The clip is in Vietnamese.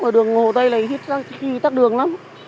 ở đường hồ tây này ít khi bị tắc đường lắm